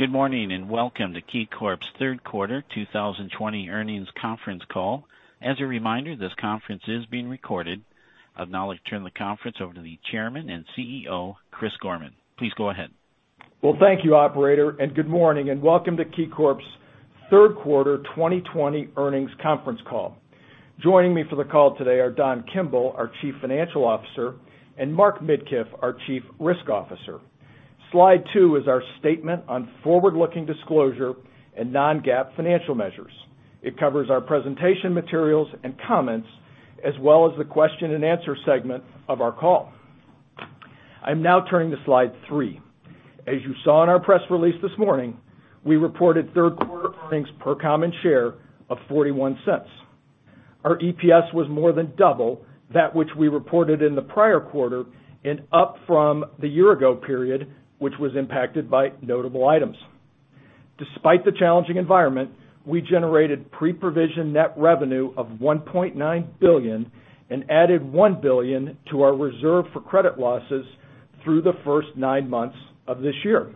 Good morning and welcome to KeyCorp's third quarter 2020 earnings conference call. As a reminder, this conference is being recorded. I've now turned the conference over to the Chairman and CEO, Chris Gorman. Please go ahead. Thank you, Operator, and good morning and welcome to KeyCorp's third quarter 2020 earnings conference call. Joining me for the call today are Don Kimble, our Chief Financial Officer, and Mark Midkiff, our Chief Risk Officer. Slide two is our statement on forward-looking disclosure and non-GAAP financial measures. It covers our presentation materials and comments, as well as the question-and-answer segment of our call. I'm now turning to slide three. As you saw in our press release this morning, we reported third quarter earnings per common share of $0.41. Our EPS was more than double that which we reported in the prior quarter and up from the year-ago period, which was impacted by notable items. Despite the challenging environment, we generated pre-provision net revenue of $1.9 billion and added $1 billion to our reserve for credit losses through the first nine months of this year.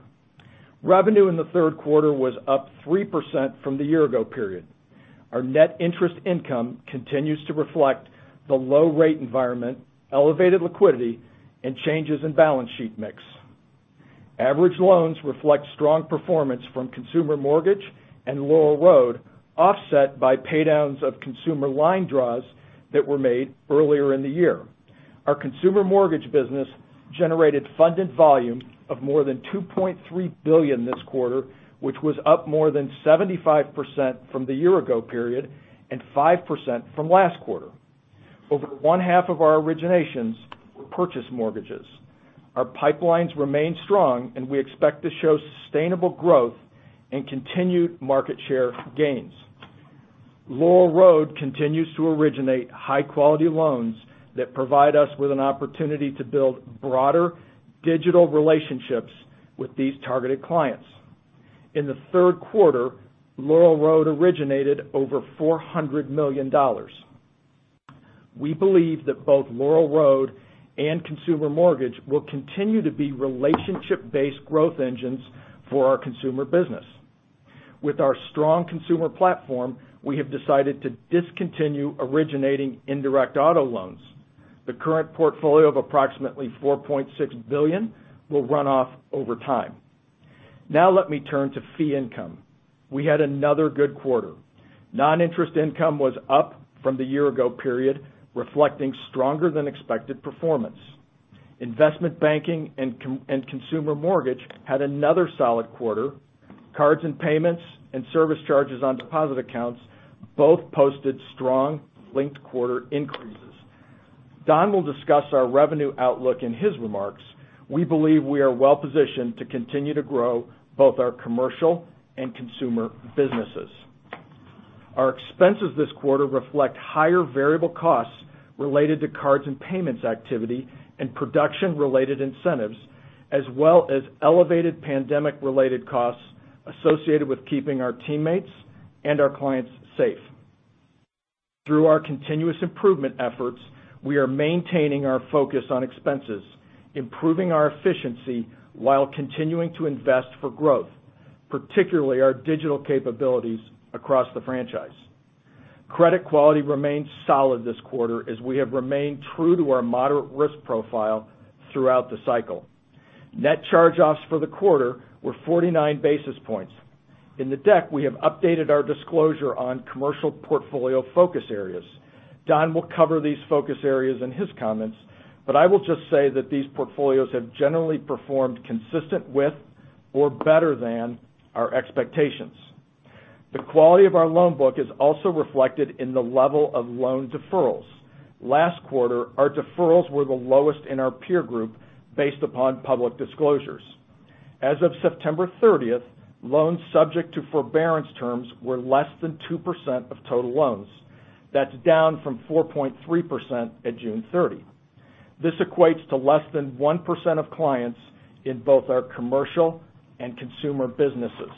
Revenue in the third quarter was up 3% from the year-ago period. Our net interest income continues to reflect the low-rate environment, elevated liquidity, and changes in balance sheet mix. Average loans reflect strong performance from consumer mortgage and Laurel Road, offset by paydowns of consumer line draws that were made earlier in the year. Our consumer mortgage business generated funded volume of more than $2.3 billion this quarter, which was up more than 75% from the year-ago period and 5% from last quarter. Over one half of our originations were purchase mortgages. Our pipelines remain strong, and we expect to show sustainable growth and continued market share gains. Laurel Road continues to originate high-quality loans that provide us with an opportunity to build broader digital relationships with these targeted clients. In the third quarter, Laurel Road originated over $400 million. We believe that both Laurel Road and consumer mortgage will continue to be relationship-based growth engines for our consumer business. With our strong consumer platform, we have decided to discontinue originating indirect auto loans. The current portfolio of approximately $4.6 billion will run off over time. Now let me turn to fee income. We had another good quarter. Non-interest income was up from the year-ago period, reflecting stronger-than-expected performance. Investment banking and consumer mortgage had another solid quarter. Cards and payments and service charges on deposit accounts both posted strong linked quarter increases. Don will discuss our revenue outlook in his remarks. We believe we are well-positioned to continue to grow both our commercial and consumer businesses. Our expenses this quarter reflect higher variable costs related to cards and payments activity and production-related incentives, as well as elevated pandemic-related costs associated with keeping our teammates and our clients safe. Through our continuous improvement efforts, we are maintaining our focus on expenses, improving our efficiency while continuing to invest for growth, particularly our digital capabilities across the franchise. Credit quality remains solid this quarter as we have remained true to our moderate risk profile throughout the cycle. Net charge-offs for the quarter were 49 basis points. In the deck, we have updated our disclosure on commercial portfolio focus areas. Don will cover these focus areas in his comments, but I will just say that these portfolios have generally performed consistent with or better than our expectations. The quality of our loan book is also reflected in the level of loan deferrals. Last quarter, our deferrals were the lowest in our peer group based upon public disclosures. As of September 30th, loans subject to forbearance terms were less than 2% of total loans. That's down from 4.3% at June 30. This equates to less than 1% of clients in both our commercial and consumer businesses.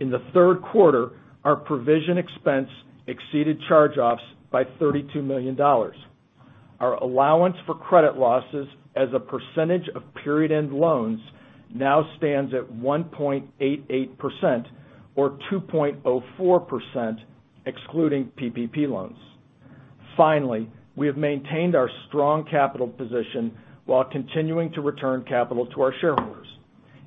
In the third quarter, our provision expense exceeded charge-offs by $32 million. Our allowance for credit losses as a percentage of period-end loans now stands at 1.88% or 2.04% excluding PPP loans. Finally, we have maintained our strong capital position while continuing to return capital to our shareholders.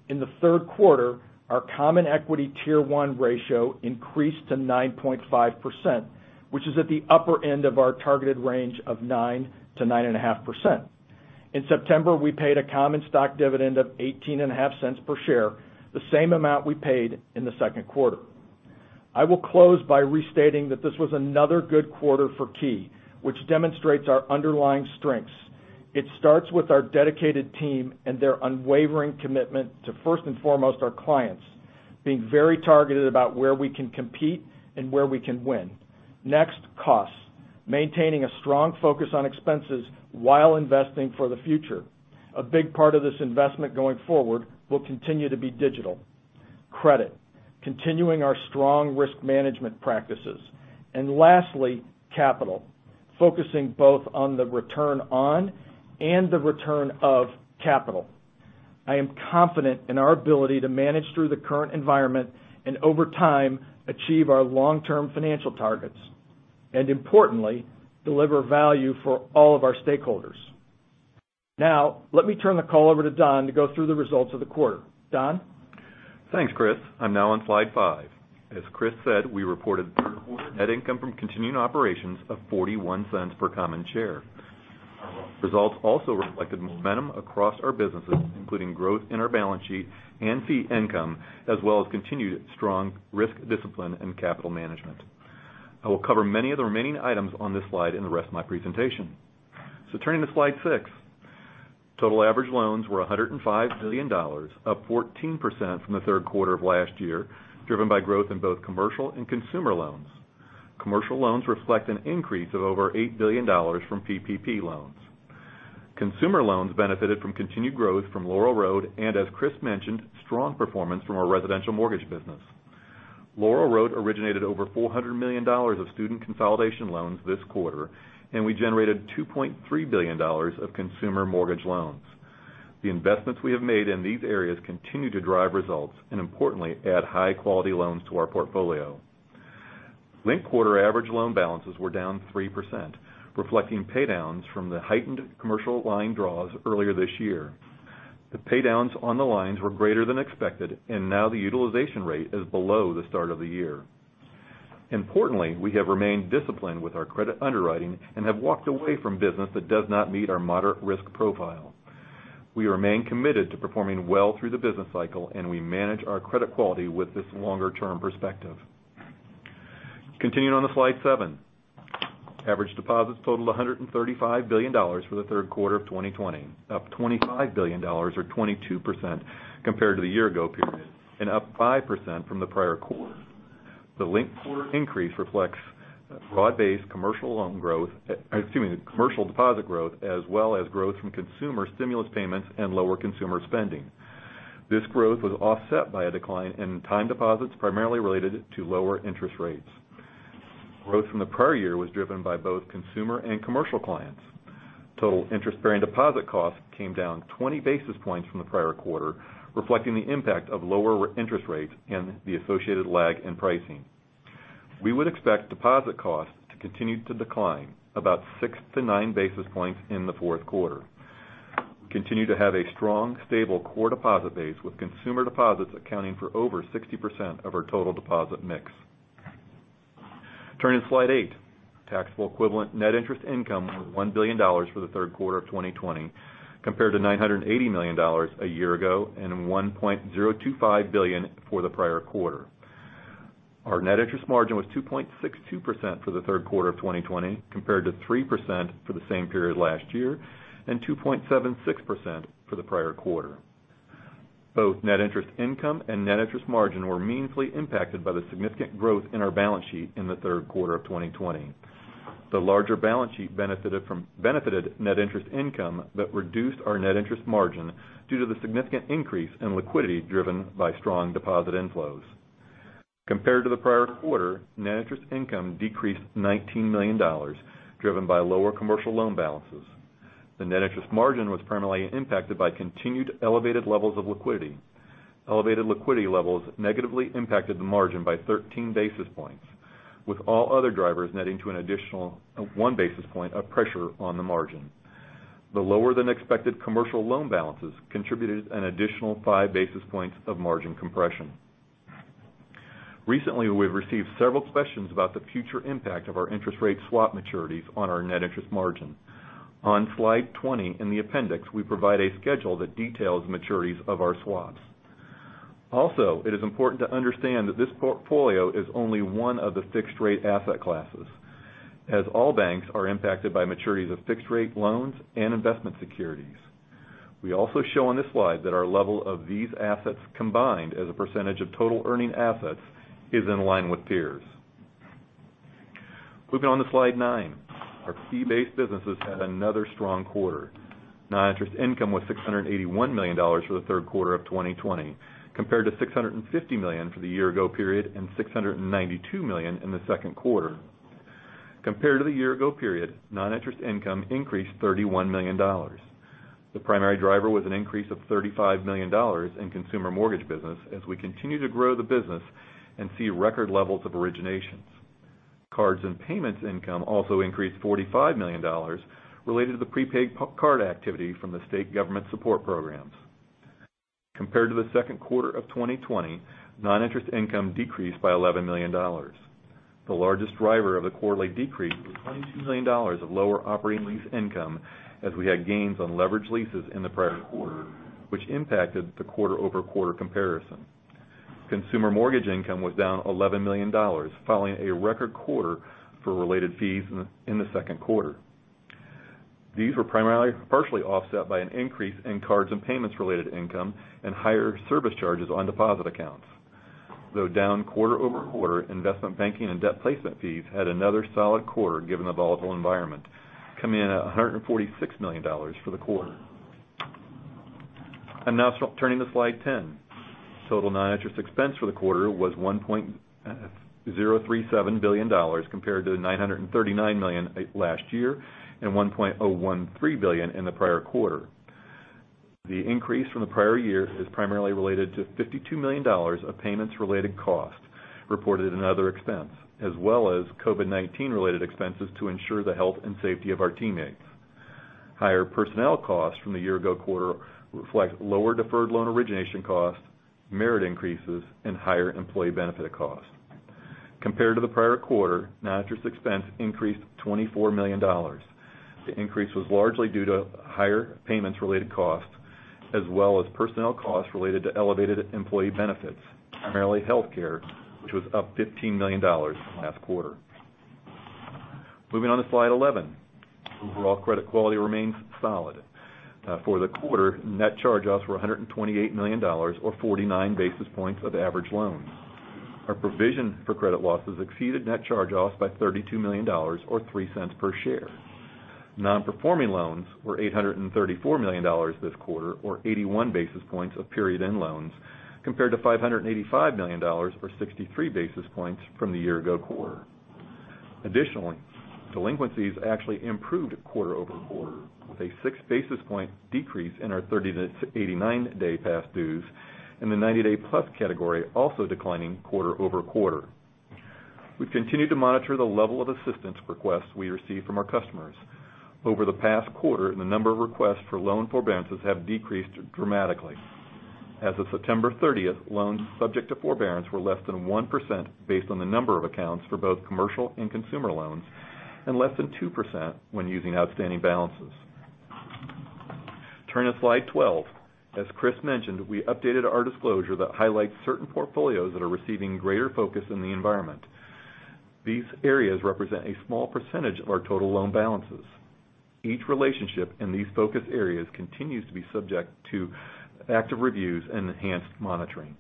In the third quarter, our Common Equity Tier 1 ratio increased to 9.5%, which is at the upper end of our targeted range of 9%-9.5%. In September, we paid a common stock dividend of $0.185 per share, the same amount we paid in the second quarter. I will close by restating that this was another good quarter for Key, which demonstrates our underlying strengths. It starts with our dedicated team and their unwavering commitment to, first and foremost, our clients, being very targeted about where we can compete and where we can win. Next, costs, maintaining a strong focus on expenses while investing for the future. A big part of this investment going forward will continue to be digital. Credit, continuing our strong risk management practices. And lastly, capital, focusing both on the return on and the return of capital. I am confident in our ability to manage through the current environment and, over time, achieve our long-term financial targets. And importantly, deliver value for all of our stakeholders. Now, let me turn the call over to Don to go through the results of the quarter. Don? Thanks, Chris. I'm now on slide five. As Chris said, we reported net income from continuing operations of $0.41 per common share. Results also reflected momentum across our businesses, including growth in our balance sheet and fee income, as well as continued strong risk discipline and capital management. I will cover many of the remaining items on this slide in the rest of my presentation, so turning to slide six, total average loans were $105 billion, up 14% from the third quarter of last year, driven by growth in both commercial and consumer loans. Commercial loans reflect an increase of over $8 billion from PPP loans. Consumer loans benefited from continued growth from Laurel Road and, as Chris mentioned, strong performance from our residential mortgage business. Laurel Road originated over $400 million of student consolidation loans this quarter, and we generated $2.3 billion of consumer mortgage loans. The investments we have made in these areas continue to drive results and, importantly, add high-quality loans to our portfolio. Linked quarter average loan balances were down 3%, reflecting paydowns from the heightened commercial line draws earlier this year. The paydowns on the lines were greater than expected, and now the utilization rate is below the start of the year. Importantly, we have remained disciplined with our credit underwriting and have walked away from business that does not meet our moderate risk profile. We remain committed to performing well through the business cycle, and we manage our credit quality with this longer-term perspective. Continuing on to slide seven, average deposits totaled $135 billion for the third quarter of 2020, up $25 billion, or 22% compared to the year-ago period, and up 5% from the prior quarter. The linked quarter increase reflects broad-based commercial loan growth, excuse me, commercial deposit growth, as well as growth from consumer stimulus payments and lower consumer spending. This growth was offset by a decline in time deposits, primarily related to lower interest rates. Growth from the prior year was driven by both consumer and commercial clients. Total interest-bearing deposit costs came down 20 basis points from the prior quarter, reflecting the impact of lower interest rates and the associated lag in pricing. We would expect deposit costs to continue to decline, about six to nine basis points in the fourth quarter. We continue to have a strong, stable core deposit base, with consumer deposits accounting for over 60% of our total deposit mix. Turning to slide eight, taxable equivalent net interest income was $1 billion for the third quarter of 2020, compared to $980 million a year ago and $1.025 billion for the prior quarter. Our net interest margin was 2.62% for the third quarter of 2020, compared to 3% for the same period last year and 2.76% for the prior quarter. Both net interest income and net interest margin were meaningfully impacted by the significant growth in our balance sheet in the third quarter of 2020. The larger balance sheet benefited net interest income that reduced our net interest margin due to the significant increase in liquidity driven by strong deposit inflows. Compared to the prior quarter, net interest income decreased $19 million, driven by lower commercial loan balances. The net interest margin was permanently impacted by continued elevated levels of liquidity. Elevated liquidity levels negatively impacted the margin by 13 basis points, with all other drivers netting to an additional one basis point of pressure on the margin. The lower-than-expected commercial loan balances contributed an additional five basis points of margin compression. Recently, we've received several questions about the future impact of our interest rate swap maturities on our net interest margin. On Slide 20 in the appendix, we provide a schedule that details maturities of our swaps. Also, it is important to understand that this portfolio is only one of the fixed-rate asset classes, as all banks are impacted by maturities of fixed-rate loans and investment securities. We also show on this slide that our level of these assets combined as a percentage of total earning assets is in line with peers. Moving on to slide nine, our fee-based businesses had another strong quarter. Non-interest income was $681 million for the third quarter of 2020, compared to $650 million for the year-ago period and $692 million in the second quarter. Compared to the year-ago period, non-interest income increased $31 million. The primary driver was an increase of $35 million in consumer mortgage business as we continue to grow the business and see record levels of originations. Cards and payments income also increased $45 million related to the prepaid card activity from the state government support programs. Compared to the second quarter of 2020, non-interest income decreased by $11 million. The largest driver of the quarterly decrease was $22 million of lower operating lease income as we had gains on leverage leases in the prior quarter, which impacted the quarter-over-quarter comparison. Consumer mortgage income was down $11 million following a record quarter for related fees in the second quarter. These were primarily partially offset by an increase in cards and payments-related income and higher service charges on deposit accounts. Though down quarter-over-quarter, investment banking and debt placement fees had another solid quarter given the volatile environment, coming in at $146 million for the quarter. I'm now turning to slide 10. Total non-interest expense for the quarter was $1.037 billion, compared to $939 million last year and $1.013 billion in the prior quarter. The increase from the prior year is primarily related to $52 million of payments-related costs reported in other expense, as well as COVID-19-related expenses to ensure the health and safety of our teammates. Higher personnel costs from the year-ago quarter reflect lower deferred loan origination costs, merit increases, and higher employee benefit costs. Compared to the prior quarter, non-interest expense increased $24 million. The increase was largely due to higher payments-related costs, as well as personnel costs related to elevated employee benefits, primarily healthcare, which was up $15 million last quarter. Moving on to slide 11, overall credit quality remains solid. For the quarter, net charge-offs were $128 million, or 49 basis points of average loans. Our provision for credit losses exceeded net charge-offs by $32 million, or 3 cents per share. Non-performing loans were $834 million this quarter, or 81 basis points of period-end loans, compared to $585 million, or 63 basis points from the year-ago quarter. Additionally, delinquencies actually improved quarter-over-quarter, with a six-basis-point decrease in our 30 to 89-day past dues, and the 90-day-plus category also declining quarter-over-quarter. We've continued to monitor the level of assistance requests we receive from our customers. Over the past quarter, the number of requests for loan forbearances have decreased dramatically. As of September 30th, loans subject to forbearance were less than 1% based on the number of accounts for both commercial and consumer loans and less than 2% when using outstanding balances. Turning to slide 12, as Chris mentioned, we updated our disclosure that highlights certain portfolios that are receiving greater focus in the environment. These areas represent a small percentage of our total loan balances. Each relationship in these focus areas continues to be subject to active reviews and enhanced monitoring.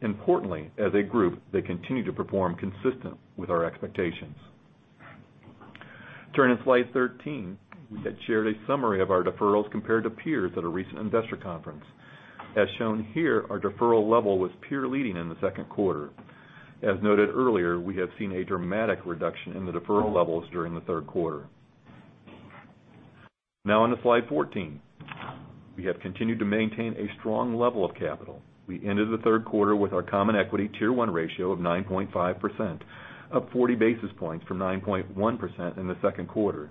Importantly, as a group, they continue to perform consistent with our expectations. Turning to slide 13, we had shared a summary of our deferrals compared to peers at a recent investor conference. As shown here, our deferral level was peer-leading in the second quarter. As noted earlier, we have seen a dramatic reduction in the deferral levels during the third quarter. Now, on to slide 14, we have continued to maintain a strong level of capital. We ended the third quarter with our Common Equity Tier 1 ratio of 9.5%, up 40 basis points from 9.1% in the second quarter.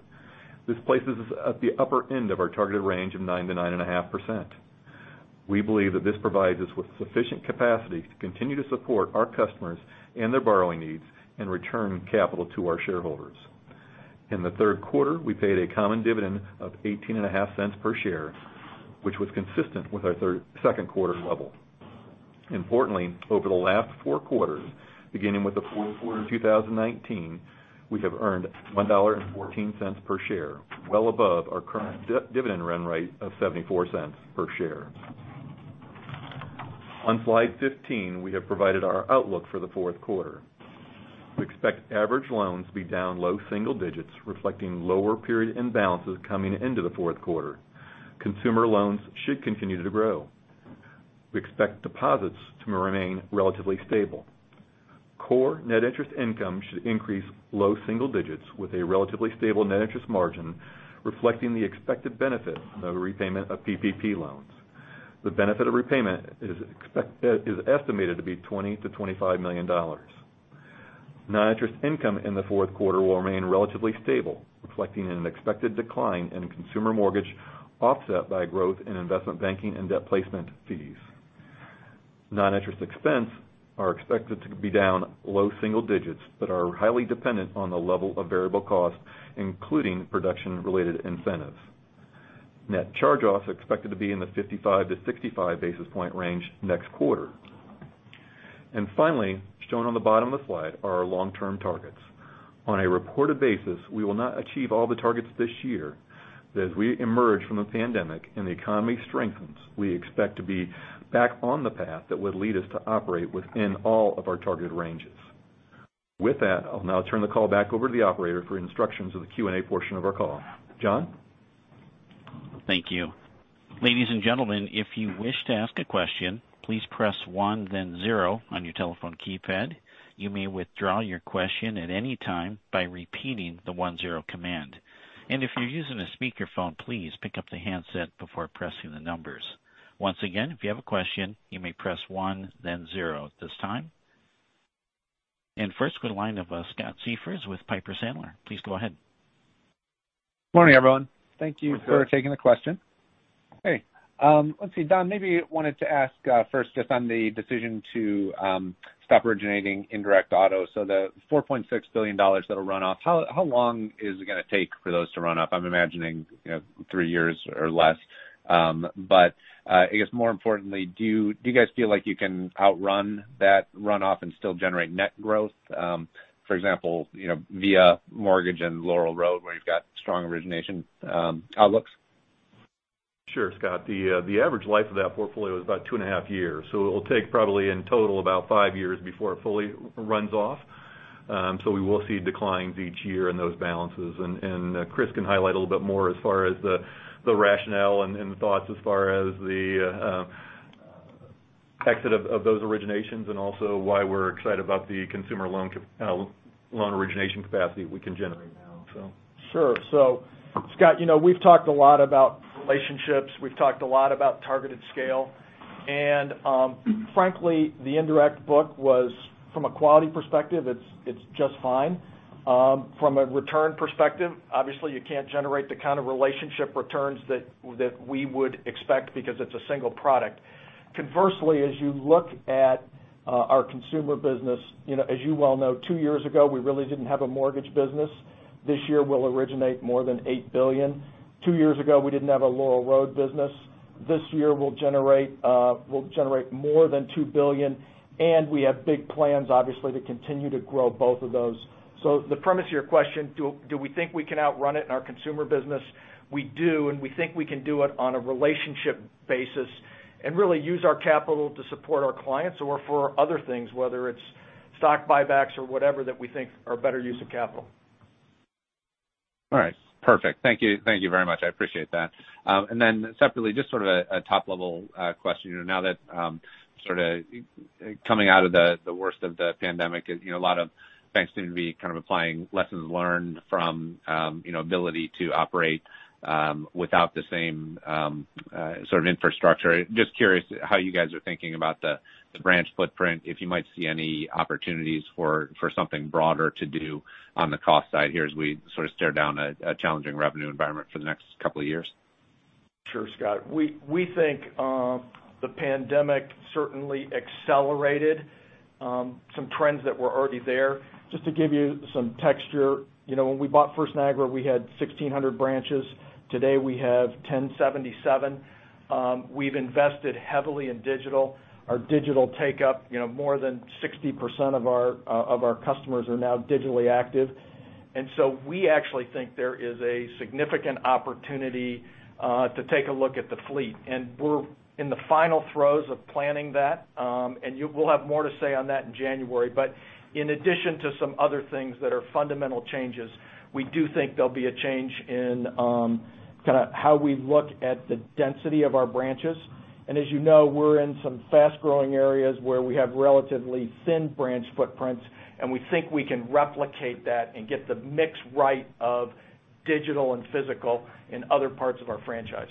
This places us at the upper end of our targeted range of 9%-9.5%. We believe that this provides us with sufficient capacity to continue to support our customers and their borrowing needs and return capital to our shareholders. In the third quarter, we paid a common dividend of $0.185 per share, which was consistent with our second quarter level. Importantly, over the last four quarters, beginning with the fourth quarter of 2019, we have earned $1.14 per share, well above our current dividend run rate of $0.74 per share. On slide 15, we have provided our outlook for the fourth quarter. We expect average loans to be down low single digits, reflecting lower period-end balances coming into the fourth quarter. Consumer loans should continue to grow. We expect deposits to remain relatively stable. Core net interest income should increase low single digits with a relatively stable net interest margin, reflecting the expected benefit of repayment of PPP loans. The benefit of repayment is estimated to be $20-$25 million. Non-interest income in the fourth quarter will remain relatively stable, reflecting an expected decline in consumer mortgage offset by growth in investment banking and debt placement fees. Non-interest expenses are expected to be down low single digits but are highly dependent on the level of variable cost, including production-related incentives. Net charge-offs are expected to be in the 55-65 basis point range next quarter. And finally, shown on the bottom of the slide are our long-term targets. On a reported basis, we will not achieve all the targets this year, but as we emerge from the pandemic and the economy strengthens, we expect to be back on the path that would lead us to operate within all of our targeted ranges. With that, I'll now turn the call back over to the operator for instructions of the Q&A portion of our call. John? Thank you. Ladies and gentlemen, if you wish to ask a question, please press one, then zero on your telephone keypad. You may withdraw your question at any time by repeating the one, zero command, and if you're using a speakerphone, please pick up the handset before pressing the numbers. Once again, if you have a question, you may press one, then zero at this time, and first, we have a line of Scott Siefers with Piper Sandler. Please go ahead. Good morning, everyone. Thank you for taking the question. Hey. Let's see. Don, maybe you wanted to ask first just on the decision to stop originating indirect auto. So the $4.6 billion that'll run off, how long is it going to take for those to run off? I'm imagining three years or less. But I guess, more importantly, do you guys feel like you can outrun that runoff and still generate net growth, for example, via mortgage and Laurel Road where you've got strong origination outlooks? Sure, Scott. The average life of that portfolio is about two and a half years. So it will take probably in total about five years before it fully runs off. So we will see declines each year in those balances. And Chris can highlight a little bit more as far as the rationale and the thoughts as far as the exit of those originations and also why we're excited about the consumer loan origination capacity we can generate now, so. Sure. So, Scott, we've talked a lot about relationships. We've talked a lot about targeted scale. And frankly, the indirect book was, from a quality perspective, it's just fine. From a return perspective, obviously, you can't generate the kind of relationship returns that we would expect because it's a single product. Conversely, as you look at our consumer business, as you well know, two years ago, we really didn't have a mortgage business. This year, we'll originate more than $8 billion. Two years ago, we didn't have a Laurel Road business. This year, we'll generate more than $2 billion. And we have big plans, obviously, to continue to grow both of those. So the premise of your question, do we think we can outrun it in our consumer business? We do, and we think we can do it on a relationship basis and really use our capital to support our clients or for other things, whether it's stock buybacks or whatever that we think are better use of capital. All right. Perfect. Thank you very much. I appreciate that. And then separately, just sort of a top-level question. Now that sort of coming out of the worst of the pandemic, a lot of banks seem to be kind of applying lessons learned from ability to operate without the same sort of infrastructure. Just curious how you guys are thinking about the branch footprint, if you might see any opportunities for something broader to do on the cost side here as we sort of stare down a challenging revenue environment for the next couple of years? Sure, Scott. We think the pandemic certainly accelerated some trends that were already there. Just to give you some texture, when we bought First Niagara, we had 1,600 branches. Today, we have 1,077. We've invested heavily in digital. Our digital take-up, more than 60% of our customers are now digitally active, and so we actually think there is a significant opportunity to take a look at the fleet, and we're in the final throes of planning that, and we'll have more to say on that in January, but in addition to some other things that are fundamental changes, we do think there'll be a change in kind of how we look at the density of our branches, and as you know, we're in some fast-growing areas where we have relatively thin branch footprints. We think we can replicate that and get the mix right of digital and physical in other parts of our franchise.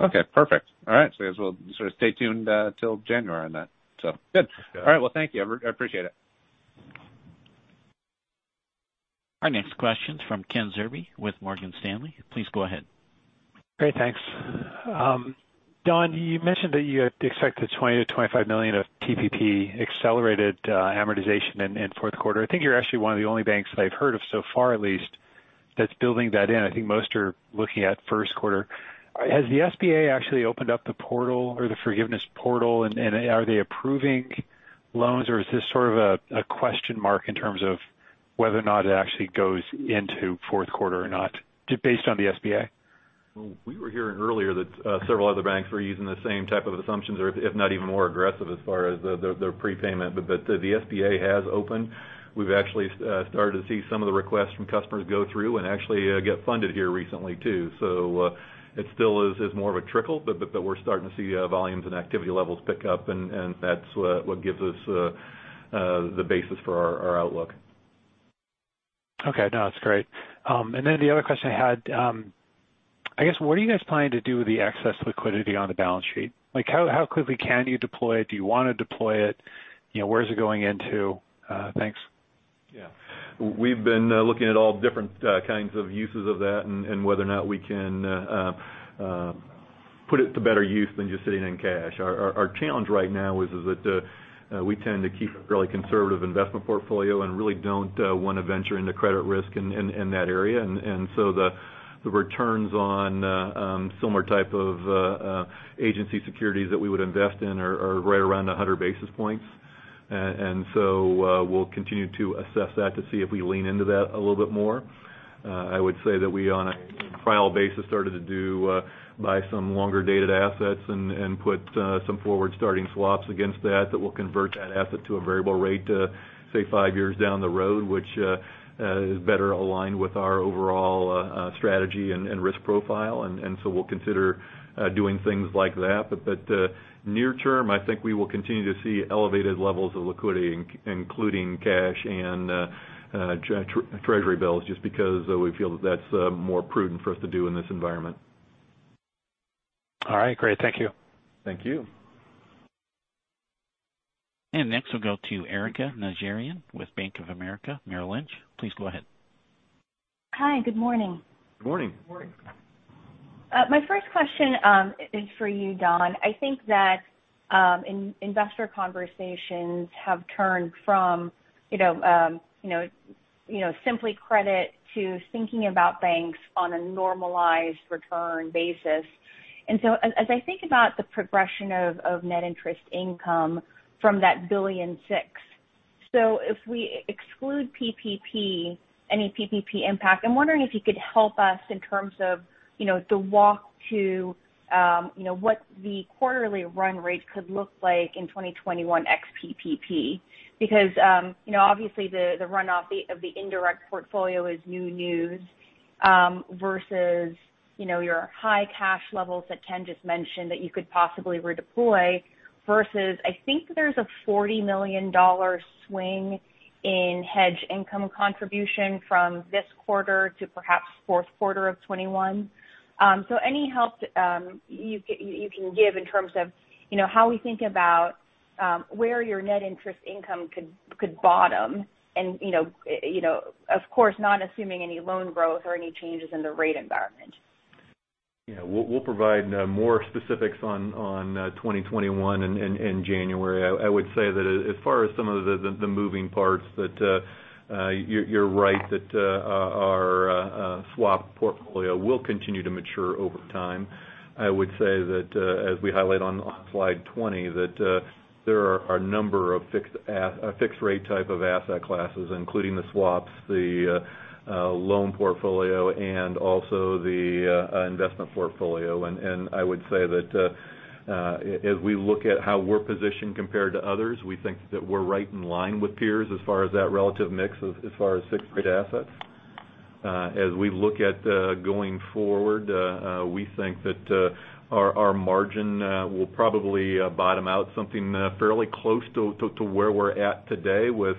Okay. Perfect. All right. So you guys will sort of stay tuned till January on that. So good. All right. Well, thank you. I appreciate it. Our next question is from Ken Zerbe with Morgan Stanley. Please go ahead. Great. Thanks. Don, you mentioned that you expect the $20-$25 million of PPP accelerated amortization in fourth quarter. I think you're actually one of the only banks that I've heard of so far, at least, that's building that in. I think most are looking at first quarter. Has the SBA actually opened up the portal or the forgiveness portal, and are they approving loans, or is this sort of a question mark in terms of whether or not it actually goes into fourth quarter or not, just based on the SBA? We were hearing earlier that several other banks were using the same type of assumptions, or if not even more aggressive as far as their prepayment, but the SBA has opened. We've actually started to see some of the requests from customers go through and actually get funded here recently too, so it still is more of a trickle, but we're starting to see volumes and activity levels pick up, and that's what gives us the basis for our outlook. Okay. No, that's great. And then the other question I had, I guess, what are you guys planning to do with the excess liquidity on the balance sheet? How quickly can you deploy it? Do you want to deploy it? Where is it going into? Thanks. Yeah. We've been looking at all different kinds of uses of that and whether or not we can put it to better use than just sitting in cash. Our challenge right now is that we tend to keep a fairly conservative investment portfolio and really don't want to venture into credit risk in that area. And so the returns on similar types of agency securities that we would invest in are right around 100 basis points. And so we'll continue to assess that to see if we lean into that a little bit more. I would say that we, on a trial basis, started to buy some longer-dated assets and put some forward-starting swaps against that that will convert that asset to a variable rate to, say, five years down the road, which is better aligned with our overall strategy and risk profile. And so we'll consider doing things like that. But near term, I think we will continue to see elevated levels of liquidity, including cash and Treasury Bills, just because we feel that that's more prudent for us to do in this environment. All right. Great. Thank you. Thank you. And next, we'll go to Erika Najarian with Bank of America Merrill Lynch. Please go ahead. Hi. Good morning. Good morning. My first question is for you, Don. I think that investor conversations have turned from simply credit to thinking about banks on a normalized return basis. And so as I think about the progression of net interest income from that $1.6 billion, so if we exclude PPP, any PPP impact, I'm wondering if you could help us in terms of the walk to what the quarterly run rate could look like in 2021 ex-PPP. Because obviously, the runoff of the indirect portfolio is new news versus your high cash levels that Ken just mentioned that you could possibly redeploy versus I think there's a $40 million swing in hedge income contribution from this quarter to perhaps fourth quarter of 2021. So any help you can give in terms of how we think about where your net interest income could bottom and, of course, not assuming any loan growth or any changes in the rate environment? Yeah. We'll provide more specifics on 2021 and January. I would say that as far as some of the moving parts, you're right that our swap portfolio will continue to mature over time. I would say that as we highlight on Slide 20, that there are a number of fixed rate type of asset classes, including the swaps, the loan portfolio, and also the investment portfolio. And I would say that as we look at how we're positioned compared to others, we think that we're right in line with peers as far as that relative mix as far as fixed rate assets. As we look at going forward, we think that our margin will probably bottom out something fairly close to where we're at today with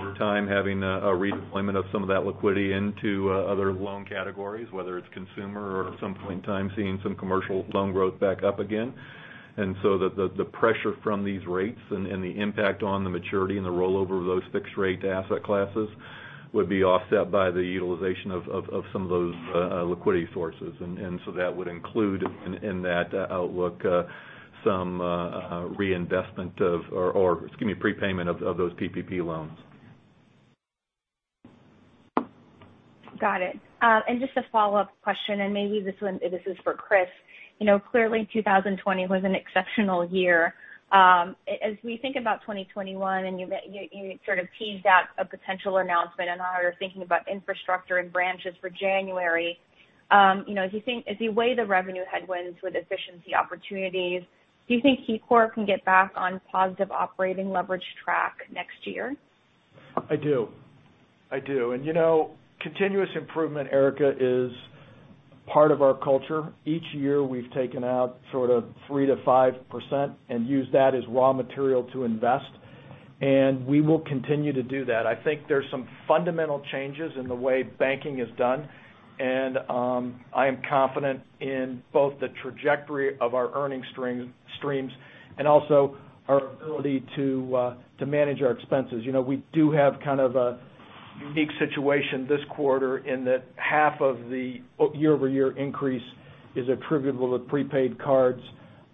over time having a redeployment of some of that liquidity into other loan categories, whether it's consumer or at some point in time seeing some commercial loan growth back up again. And so the pressure from these rates and the impact on the maturity and the rollover of those fixed rate asset classes would be offset by the utilization of some of those liquidity sources. And so that would include in that outlook some reinvestment of, or excuse me, prepayment of those PPP loans. Got it. And just a follow-up question, and maybe this is for Chris. Clearly, 2020 was an exceptional year. As we think about 2021, and you sort of teased out a potential announcement and are thinking about infrastructure and branches for January, as you weigh the revenue headwinds with efficiency opportunities, do you think KeyCorp can get back on positive operating leverage track next year? I do. I do. And continuous improvement, Erika, is part of our culture. Each year, we've taken out sort of 3%-5% and used that as raw material to invest. And we will continue to do that. I think there's some fundamental changes in the way banking is done. And I am confident in both the trajectory of our earning streams and also our ability to manage our expenses. We do have kind of a unique situation this quarter in that half of the year-over-year increase is attributable to prepaid cards.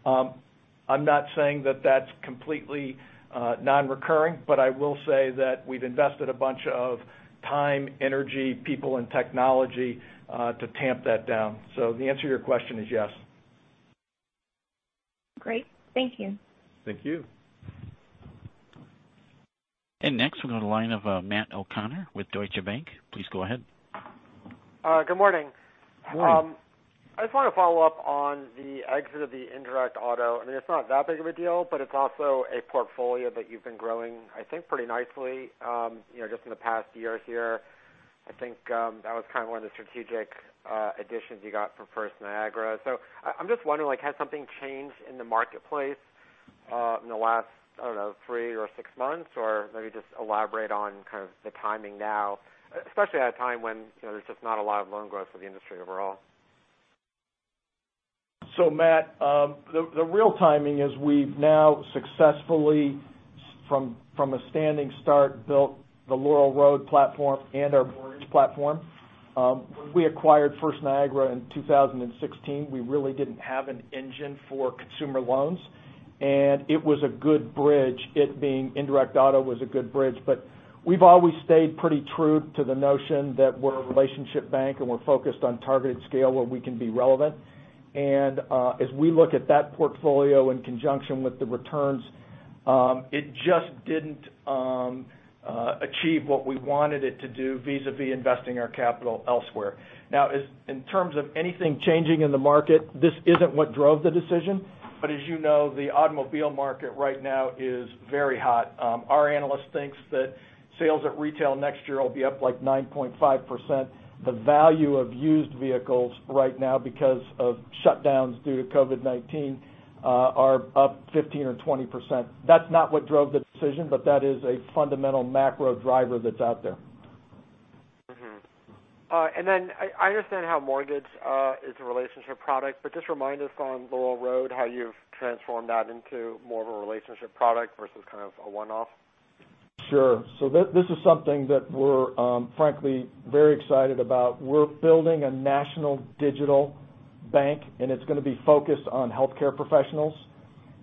I'm not saying that that's completely non-recurring, but I will say that we've invested a bunch of time, energy, people, and technology to tamp that down. So the answer to your question is yes. Great. Thank you. Thank you. And next, we'll go to the line of Matt O'Connor with Deutsche Bank. Please go ahead. Good morning. Morning. I just want to follow up on the exit of the indirect auto. I mean, it's not that big of a deal, but it's also a portfolio that you've been growing, I think, pretty nicely just in the past year here. I think that was kind of one of the strategic additions you got from First Niagara. So I'm just wondering, has something changed in the marketplace in the last, I don't know, three or six months, or maybe just elaborate on kind of the timing now, especially at a time when there's just not a lot of loan growth for the industry overall? So Matt, the real timing is we've now successfully, from a standing start, built the Laurel Road platform and our mortgage platform. When we acquired First Niagara in 2016, we really didn't have an engine for consumer loans. And it was a good bridge. It being indirect auto was a good bridge. But we've always stayed pretty true to the notion that we're a relationship bank and we're focused on targeted scale where we can be relevant. And as we look at that portfolio in conjunction with the returns, it just didn't achieve what we wanted it to do vis-à-vis investing our capital elsewhere. Now, in terms of anything changing in the market, this isn't what drove the decision. But as you know, the automobile market right now is very hot. Our analyst thinks that sales at retail next year will be up like 9.5%. The value of used vehicles right now because of shutdowns due to COVID-19 are up 15% or 20%. That's not what drove the decision, but that is a fundamental macro driver that's out there. And then I understand how mortgage is a relationship product, but just remind us on Laurel Road how you've transformed that into more of a relationship product versus kind of a one-off. Sure. So this is something that we're, frankly, very excited about. We're building a national digital bank, and it's going to be focused on healthcare professionals.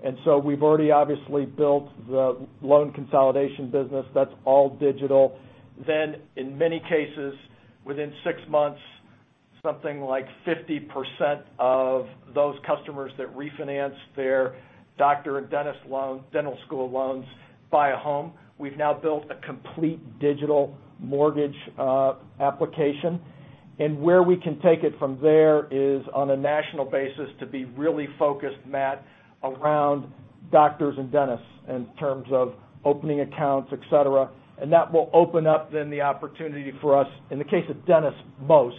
And so we've already obviously built the loan consolidation business. That's all digital. Then, in many cases, within six months, something like 50% of those customers that refinance their doctor and dentist loan, dental school loans, buy a home. We've now built a complete digital mortgage application. And where we can take it from there is on a national basis to be really focused, Matt, around doctors and dentists in terms of opening accounts, etc. And that will open up then the opportunity for us, in the case of dentists, most,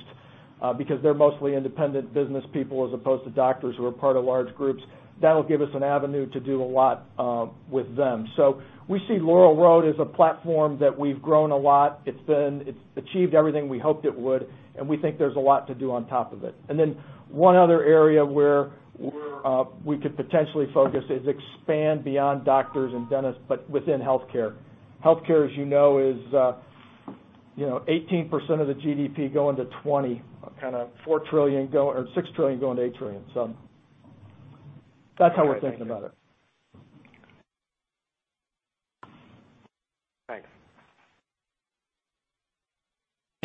because they're mostly independent business people as opposed to doctors who are part of large groups. That'll give us an avenue to do a lot with them. So we see Laurel Road as a platform that we've grown a lot. It's achieved everything we hoped it would, and we think there's a lot to do on top of it. And then one other area where we could potentially focus is expand beyond doctors and dentists, but within healthcare. Healthcare, as you know, is 18% of the GDP going to 20%, kind of $4 trillion or $6 trillion going to $8 trillion. So that's how we're thinking about it. Thanks.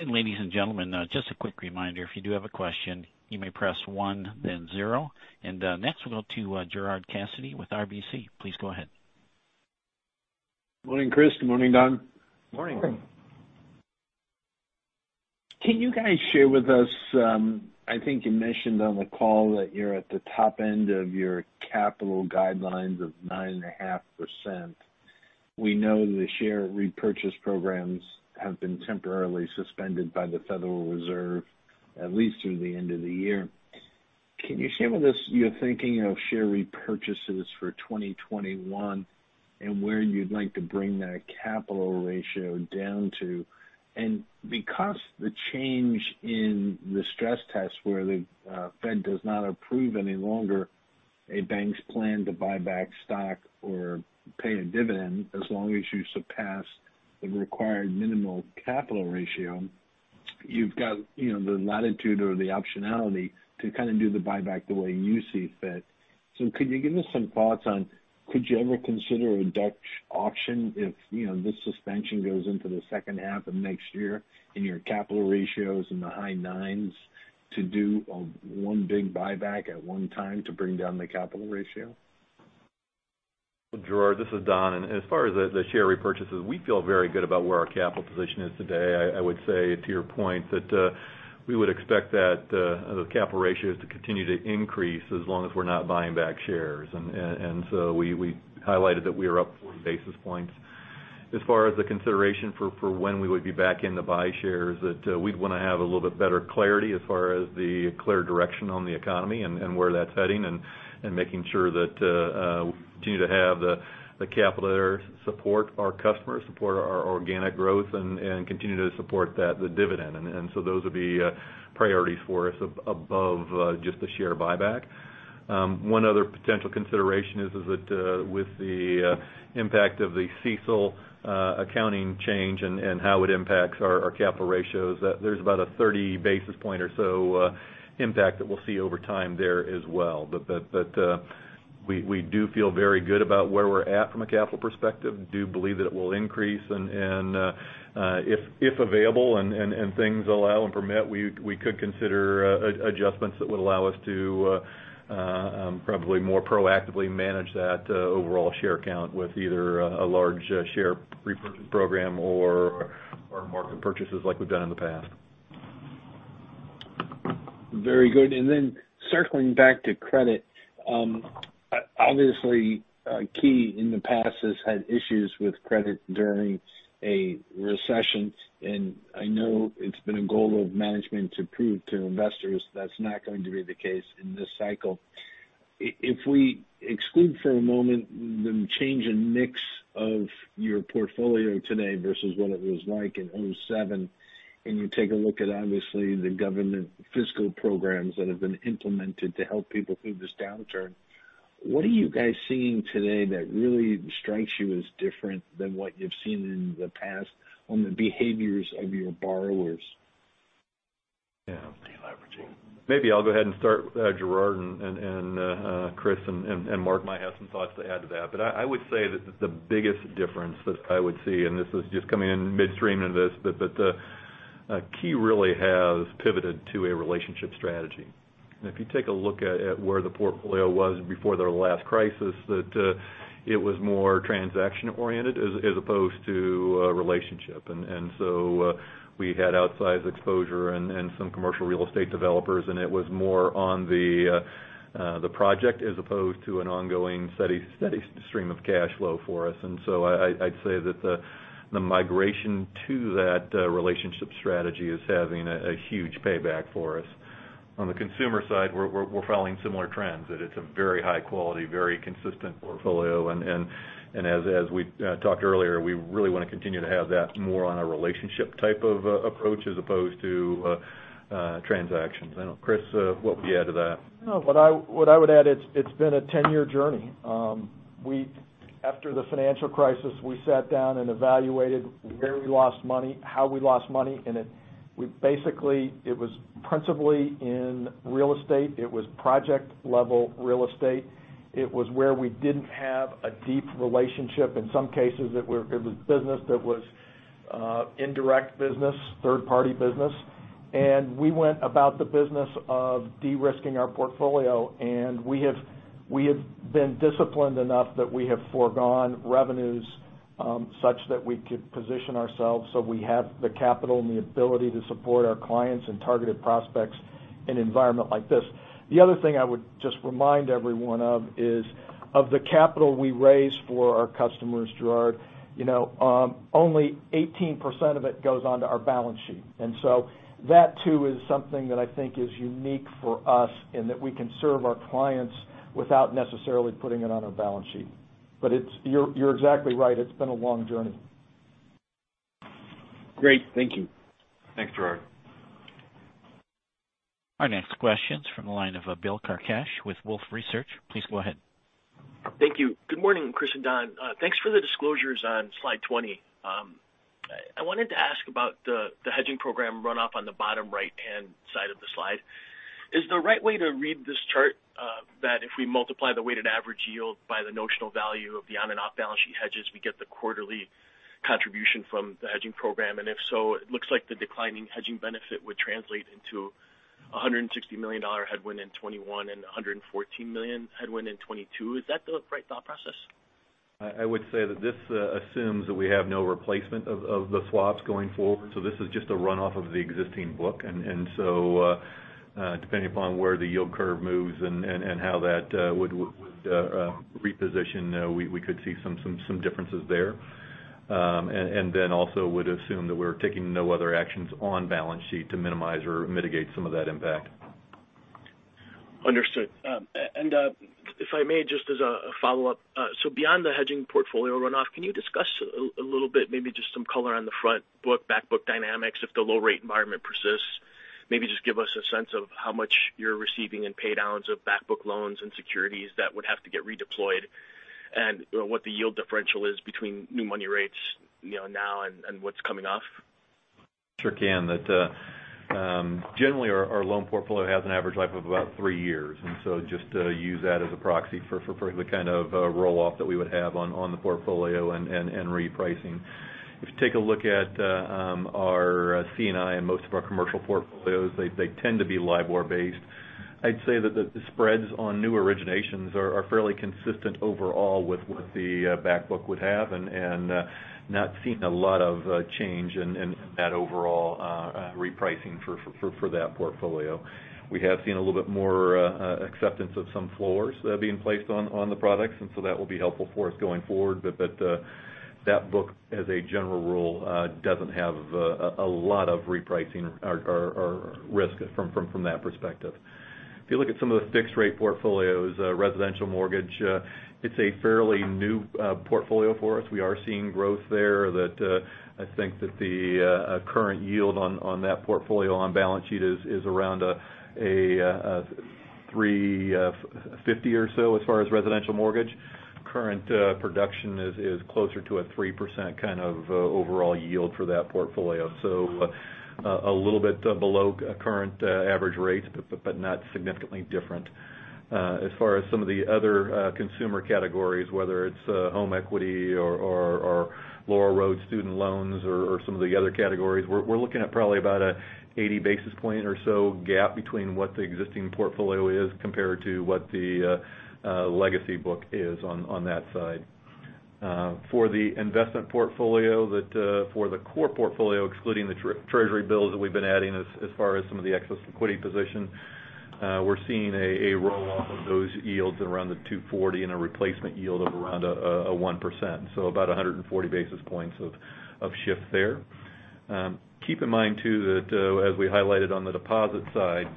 Ladies and gentlemen, just a quick reminder, if you do have a question, you may press one, then zero. Next, we'll go to Gerard Cassidy with RBC. Please go ahead. Good morning, Chris. Good morning, Don. Morning. Morning. Can you guys share with us, I think you mentioned on the call that you're at the top end of your capital guidelines of 9.5%? We know the share repurchase programs have been temporarily suspended by the Federal Reserve, at least through the end of the year. Can you share with us your thinking of share repurchases for 2021 and where you'd like to bring that capital ratio down to? And because of the change in the stress test where the Fed does not approve any longer a bank's plan to buy back stock or pay a dividend as long as you surpass the required minimal capital ratio, you've got the latitude or the optionality to kind of do the buyback the way you see fit. So could you give us some thoughts on, could you ever consider a Dutch auction if this suspension goes into the second half of next year and your capital ratios in the high nines to do one big buyback at one time to bring down the capital ratio? Well, Gerard, this is Don. And as far as the share repurchases, we feel very good about where our capital position is today. I would say, to your point, that we would expect that the capital ratios to continue to increase as long as we're not buying back shares. And so we highlighted that we are up 40 basis points. As far as the consideration for when we would be back in the buy shares, that we'd want to have a little bit better clarity as far as the clear direction on the economy and where that's heading and making sure that we continue to have the capital support our customers, support our organic growth, and continue to support the dividend. And so those would be priorities for us above just the share buyback. One other potential consideration is that with the impact of the CECL accounting change and how it impacts our capital ratios, there's about a 30 basis point or so impact that we'll see over time there as well. But we do feel very good about where we're at from a capital perspective. Do believe that it will increase. And if available and things allow and permit, we could consider adjustments that would allow us to probably more proactively manage that overall share count with either a large share repurchase program or market purchases like we've done in the past. Very good. And then circling back to credit, obviously, Key in the past has had issues with credit during a recession. And I know it's been a goal of management to prove to investors that's not going to be the case in this cycle. If we exclude for a moment the change in mix of your portfolio today versus what it was like in 2007, and you take a look at, obviously, the government fiscal programs that have been implemented to help people through this downturn, what are you guys seeing today that really strikes you as different than what you've seen in the past on the behaviors of your borrowers? Yeah. Maybe I'll go ahead and start with Gerard, Chris, and Mark might have some thoughts to add to that, but I would say that the biggest difference that I would see, and this is just coming in midstream of this, but Key really has pivoted to a relationship strategy, and if you take a look at where the portfolio was before the last crisis, that it was more transaction-oriented as opposed to a relationship. And so we had outsized exposure and some commercial real estate developers, and it was more on the project as opposed to an ongoing steady stream of cash flow for us. And so I'd say that the migration to that relationship strategy is having a huge payback for us. On the consumer side, we're following similar trends. It's a very high-quality, very consistent portfolio. And as we talked earlier, we really want to continue to have that more on a relationship type of approach as opposed to transactions. I don't know, Chris, what would you add to that? What I would add, it's been a 10-year journey. After the financial crisis, we sat down and evaluated where we lost money, how we lost money, and basically, it was principally in real estate. It was project-level real estate. It was where we didn't have a deep relationship. In some cases, it was business that was indirect business, third-party business, and we went about the business of de-risking our portfolio, and we have been disciplined enough that we have foregone revenues such that we could position ourselves so we have the capital and the ability to support our clients and targeted prospects in an environment like this. The other thing I would just remind everyone of is of the capital we raise for our customers, Gerard, only 18% of it goes onto our balance sheet. And so that, too, is something that I think is unique for us in that we can serve our clients without necessarily putting it on our balance sheet. But you're exactly right. It's been a long journey. Great. Thank you. Thanks, Gerard. Our next question is from the line of Bill Carcache with Wolfe Research. Please go ahead. Thank you. Good morning, Chris and Don. Thanks for the disclosures on Slide 20. I wanted to ask about the hedging program runoff on the bottom right-hand side of the slide. Is the right way to read this chart that if we multiply the weighted average yield by the notional value of the on-and-off balance sheet hedges, we get the quarterly contribution from the hedging program? And if so, it looks like the declining hedging benefit would translate into a $160 million headwind in 2021 and a $114 million headwind in 2022. Is that the right thought process? I would say that this assumes that we have no replacement of the swaps going forward. So this is just a runoff of the existing book. And so depending upon where the yield curve moves and how that would reposition, we could see some differences there. And then also would assume that we're taking no other actions on balance sheet to minimize or mitigate some of that impact. Understood. And if I may, just as a follow-up, so beyond the hedging portfolio runoff, can you discuss a little bit, maybe just some color on the front book, backbook dynamics, if the low-rate environment persists? Maybe just give us a sense of how much you're receiving in paydowns of backbook loans and securities that would have to get redeployed and what the yield differential is between new money rates now and what's coming off? Sure can. Generally, our loan portfolio has an average life of about three years, and so just use that as a proxy for the kind of rolloff that we would have on the portfolio and repricing. If you take a look at our C&I and most of our commercial portfolios, they tend to be LIBOR-based. I'd say that the spreads on new originations are fairly consistent overall with what the backbook would have and not seeing a lot of change in that overall repricing for that portfolio. We have seen a little bit more acceptance of some floors being placed on the products, and so that will be helpful for us going forward, but that book, as a general rule, doesn't have a lot of repricing risk from that perspective. If you look at some of the fixed-rate portfolios, residential mortgage, it's a fairly new portfolio for us. We are seeing growth there that I think that the current yield on that portfolio on balance sheet is around a 3.50 or so as far as residential mortgage. Current production is closer to a 3% kind of overall yield for that portfolio. So a little bit below current average rates, but not significantly different. As far as some of the other consumer categories, whether it's home equity or Laurel Road student loans or some of the other categories, we're looking at probably about an 80 basis point or so gap between what the existing portfolio is compared to what the legacy book is on that side. For the investment portfolio, for the core portfolio, excluding the Treasury Bills that we've been adding as far as some of the excess liquidity position, we're seeing a rolloff of those yields at around the 2.40 and a replacement yield of around a 1%. So about 140 basis points of shift there. Keep in mind, too, that as we highlighted on the deposit side,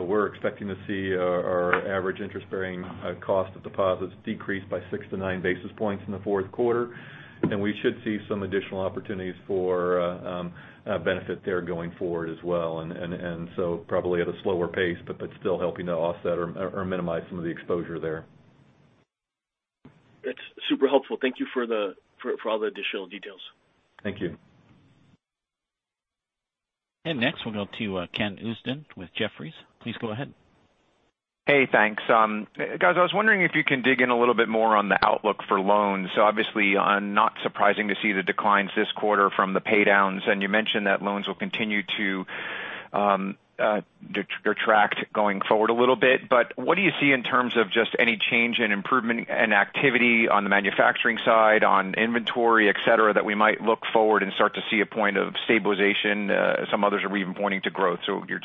we're expecting to see our average interest-bearing cost of deposits decrease by 6-9 basis points in the fourth quarter, and we should see some additional opportunities for benefit there going forward as well, and so probably at a slower pace, but still helping to offset or minimize some of the exposure there. That's super helpful. Thank you for all the additional details. Thank you. And next, we'll go to Ken Usdin with Jefferies. Please go ahead. Hey, thanks. Guys, I was wondering if you can dig in a little bit more on the outlook for loans. So obviously, not surprising to see the declines this quarter from the paydowns. And you mentioned that loans will continue to detract going forward a little bit. But what do you see in terms of just any change in improvement and activity on the manufacturing side, on inventory, etc., that we might look forward and start to see a point of stabilization? Some others are even pointing to growth. So your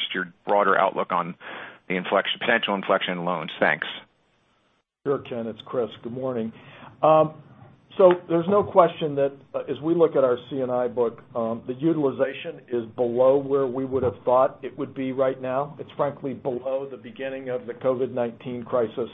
broader outlook on the potential inflection in loans. Thanks. Sure, Ken. It's Chris. Good morning. So there's no question that as we look at our C&I book, the utilization is below where we would have thought it would be right now. It's frankly below the beginning of the COVID-19 crisis.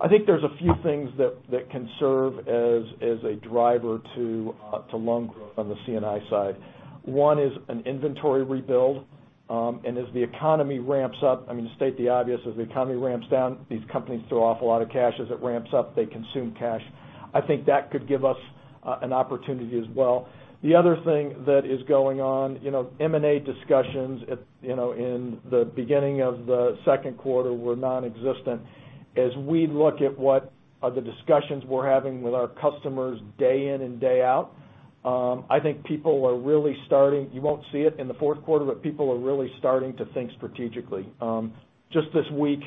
I think there's a few things that can serve as a driver to loan growth on the C&I side. One is an inventory rebuild. And as the economy ramps up, I mean, to state the obvious, as the economy ramps down, these companies throw off a lot of cash. As it ramps up, they consume cash. I think that could give us an opportunity as well. The other thing that is going on, M&A discussions in the beginning of the second quarter were nonexistent. As we look at what are the discussions we're having with our customers day in and day out, I think people are really starting, you won't see it in the fourth quarter, but people are really starting to think strategically. Just this week,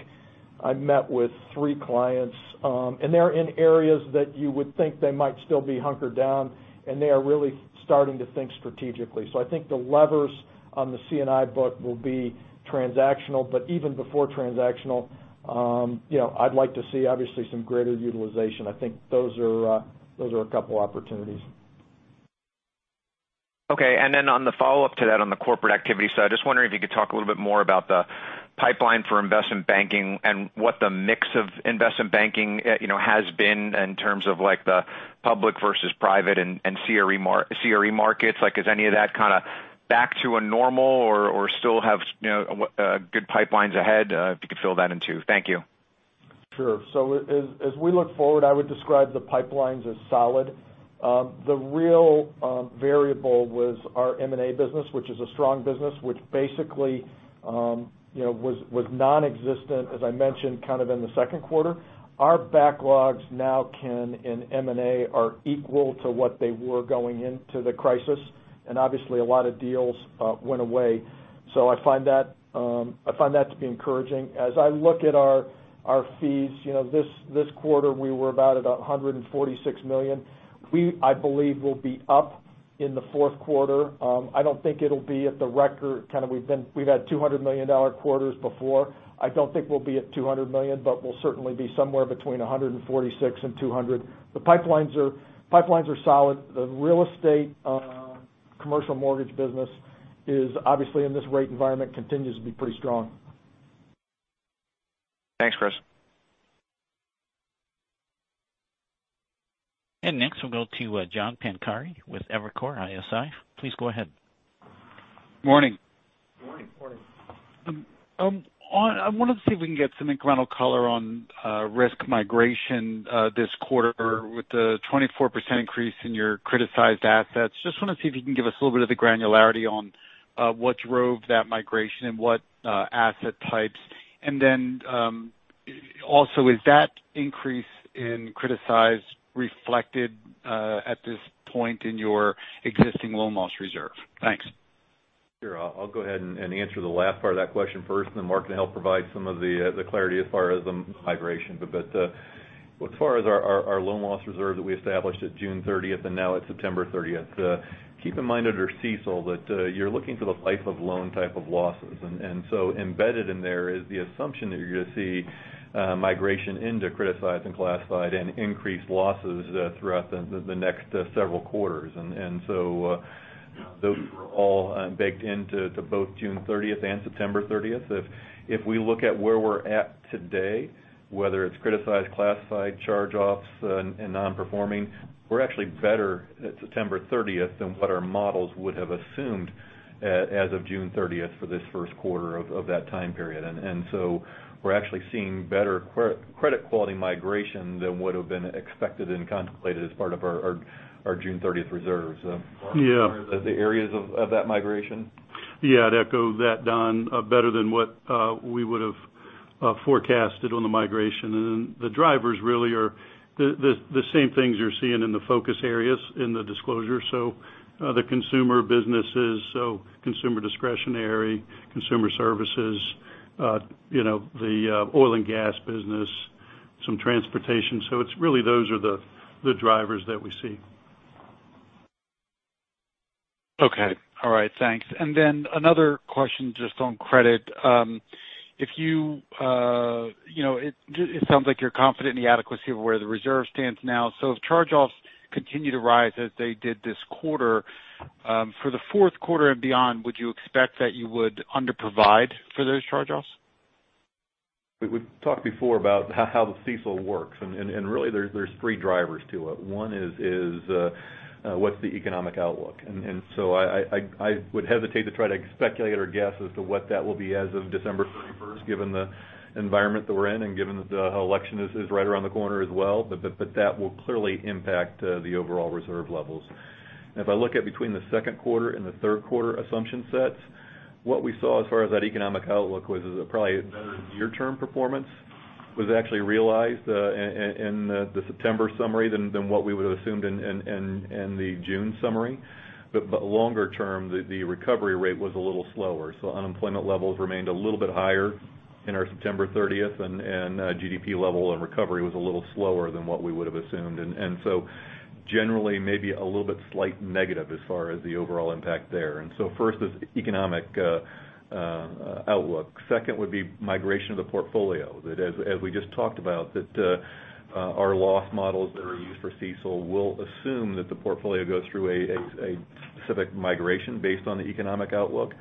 I met with three clients, and they're in areas that you would think they might still be hunkered down, and they are really starting to think strategically, so I think the levers on the C&I book will be transactional, but even before transactional, I'd like to see, obviously, some greater utilization. I think those are a couple of opportunities. Okay. And then on the follow-up to that on the corporate activity, so I just wonder if you could talk a little bit more about the pipeline for investment banking and what the mix of investment banking has been in terms of the public versus private and CRE markets. Is any of that kind of back to a normal or still have good pipelines ahead? If you could fill that in, too. Thank you. Sure. So as we look forward, I would describe the pipelines as solid. The real variable was our M&A business, which is a strong business, which basically was nonexistent, as I mentioned, kind of in the second quarter. Our backlogs now, Ken, in M&A are equal to what they were going into the crisis. And obviously, a lot of deals went away. So I find that to be encouraging. As I look at our fees this quarter, we were about at $146 million. I believe we'll be up in the fourth quarter. I don't think it'll be at the record kind of. We've had $200 million quarters before. I don't think we'll be at $200 million, but we'll certainly be somewhere between $146 million and $200 million. The pipelines are solid. The real estate commercial mortgage business is obviously, in this rate environment, continues to be pretty strong. Thanks, Chris. Next, we'll go to John Pancari with Evercore ISI. Please go ahead. Morning. Morning. Morning. I wanted to see if we can get some incremental color on risk migration this quarter with the 24% increase in your criticized assets. Just want to see if you can give us a little bit of the granularity on what drove that migration and what asset types, and then also, is that increase in criticized reflected at this point in your existing loan loss reserve? Thanks. Sure. I'll go ahead and answer the last part of that question first, and then Mark can help provide some of the clarity as far as the migration, but as far as our loan loss reserve that we established at June 30th and now at September 30th, keep in mind under CECL that you're looking for the life-of-loan type of losses, and so embedded in there is the assumption that you're going to see migration into criticized and classified and increased losses throughout the next several quarters, and so those were all baked into both June 30th and September 30th. If we look at where we're at today, whether it's criticized, classified, charge-offs, and non-performing, we're actually better at September 30th than what our models would have assumed as of June 30th for this first quarter of that time period. And so we're actually seeing better credit-quality migration than what had been expected and contemplated as part of our June 30th reserves. So as far as the areas of that migration. Yeah. I'd echo that, Don, better than what we would have forecasted on the migration. And the drivers really are the same things you're seeing in the focus areas in the disclosure. So the consumer businesses, so Consumer Discretionary, Consumer Services, the oil and gas business, some transportation. So it's really those are the drivers that we see. Okay. All right. Thanks. And then another question just on credit. If you, it sounds like you're confident in the adequacy of where the reserve stands now. So if charge-offs continue to rise as they did this quarter, for the fourth quarter and beyond, would you expect that you would underprovide for those charge-offs? We talked before about how the CECL works, and really, there's three drivers to it. One is what's the economic outlook, and so I would hesitate to try to speculate or guess as to what that will be as of December 31st, given the environment that we're in and given that the election is right around the corner as well, but that will clearly impact the overall reserve levels, and if I look at between the second quarter and the third quarter assumption sets, what we saw as far as that economic outlook was probably better near-term performance was actually realized in the September summary than what we would have assumed in the June summary, but longer term, the recovery rate was a little slower. So unemployment levels remained a little bit higher in our September 30th, and GDP level and recovery was a little slower than what we would have assumed. And so generally, maybe a little bit slight negative as far as the overall impact there. And so first is economic outlook. Second would be migration of the portfolio. As we just talked about, our loss models that are used for CECL will assume that the portfolio goes through a specific migration based on the economic outlook.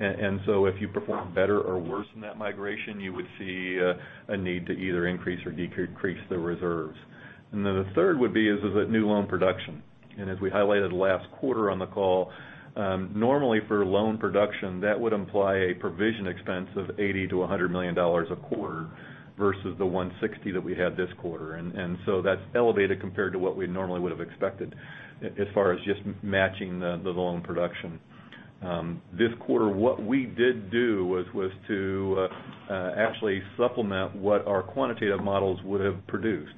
And so if you perform better or worse in that migration, you would see a need to either increase or decrease the reserves. And then the third would be is that new loan production. And as we highlighted last quarter on the call, normally for loan production, that would imply a provision expense of $80-$100 million a quarter versus the $160 million that we had this quarter. And so that's elevated compared to what we normally would have expected as far as just matching the loan production. This quarter, what we did do was to actually supplement what our quantitative models would have produced.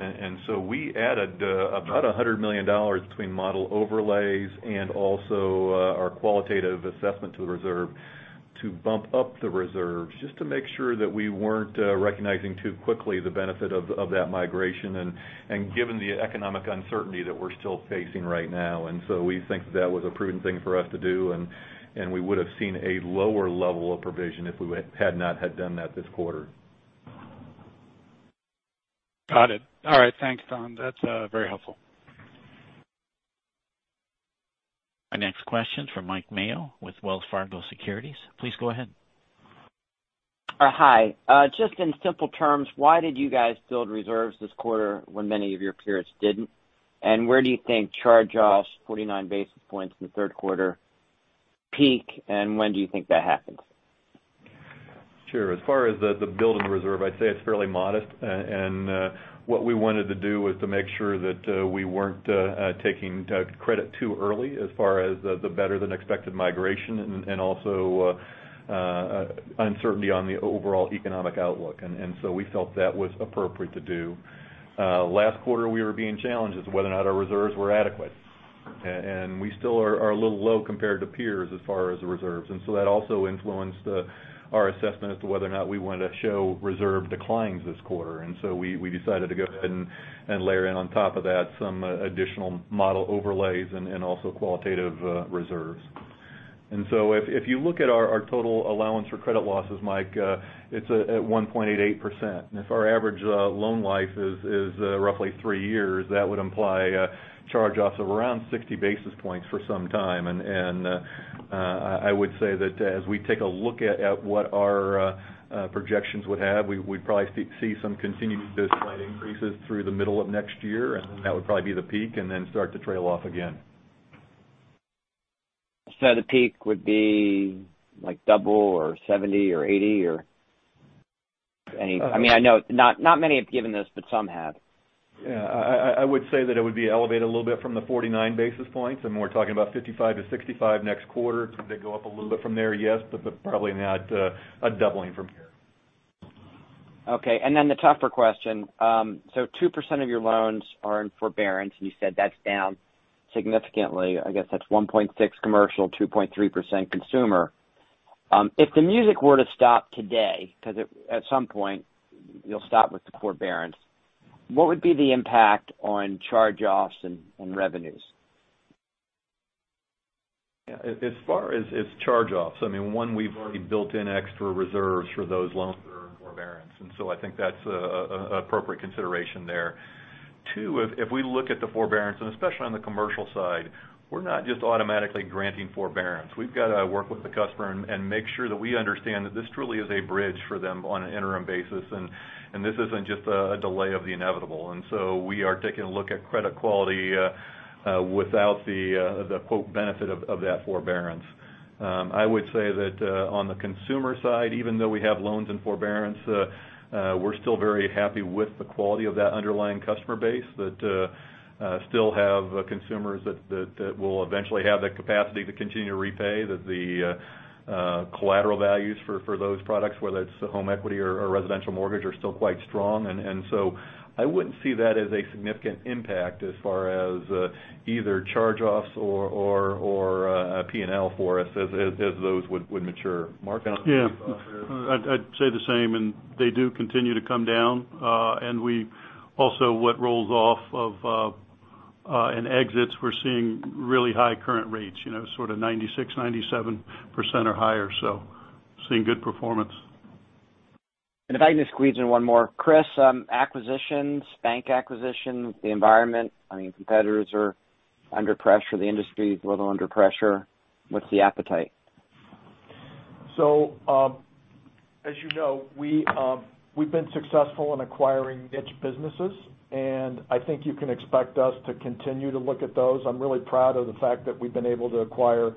And so we added about $100 million between model overlays and also our qualitative assessment to the reserve to bump up the reserves just to make sure that we weren't recognizing too quickly the benefit of that migration and given the economic uncertainty that we're still facing right now. And so we think that that was a prudent thing for us to do. We would have seen a lower level of provision if we had not had done that this quarter. Got it. All right. Thanks, Don. That's very helpful. Our next question is from Mike Mayo with Wells Fargo Securities. Please go ahead. Hi. Just in simple terms, why did you guys build reserves this quarter when many of your peers didn't? And where do you think charge-offs, 49 basis points in the third quarter, peak? And when do you think that happened? Sure. As far as the building reserve, I'd say it's fairly modest. And what we wanted to do was to make sure that we weren't taking credit too early as far as the better-than-expected migration and also uncertainty on the overall economic outlook. And so we felt that was appropriate to do. Last quarter, we were being challenged as to whether or not our reserves were adequate. And we still are a little low compared to peers as far as the reserves. And so that also influenced our assessment as to whether or not we wanted to show reserve declines this quarter. And so we decided to go ahead and layer in on top of that some additional model overlays and also qualitative reserves. And so if you look at our total allowance for credit losses, Mike, it's at 1.88%. And if our average loan life is roughly three years, that would imply charge-offs of around 60 basis points for some time. And I would say that as we take a look at what our projections would have, we'd probably see some continued discount increases through the middle of next year. And then that would probably be the peak and then start to trail off again. So the peak would be like double or 70 or 80 or any? I mean, I know not many have given this, but some have. Yeah. I would say that it would be elevated a little bit from the 49 basis points, and we're talking about 55-65 next quarter. Could they go up a little bit from there? Yes, but probably not a doubling from here. Okay. And then the tougher question. So 2% of your loans are in forbearance, and you said that's down significantly. I guess that's 1.6% commercial, 2.3% consumer. If the music were to stop today, because at some point you'll stop with the forbearance, what would be the impact on charge-offs and revenues? Yeah. As far as charge-offs, I mean, one, we've already built in extra reserves for those loans that are in forbearance. And so I think that's an appropriate consideration there. Two, if we look at the forbearance, and especially on the commercial side, we're not just automatically granting forbearance. We've got to work with the customer and make sure that we understand that this truly is a bridge for them on an interim basis. And this isn't just a delay of the inevitable. And so we are taking a look at credit quality without the "benefit" of that forbearance. I would say that on the consumer side, even though we have loans in forbearance, we're still very happy with the quality of that underlying customer base, that still have consumers that will eventually have that capacity to continue to repay, that the collateral values for those products, whether it's home equity or residential mortgage, are still quite strong. And so I wouldn't see that as a significant impact as far as either charge-offs or P&L for us as those would mature. Mark? Yeah. I'd say the same. And they do continue to come down. And also, what rolls off of and exits, we're seeing really high current rates, sort of 96%, 97% or higher. So seeing good performance. And if I can just squeeze in one more. Chris, acquisitions, bank acquisition, the environment. I mean, competitors are under pressure. The industry is a little under pressure. What's the appetite? So as you know, we've been successful in acquiring niche businesses. And I think you can expect us to continue to look at those. I'm really proud of the fact that we've been able to acquire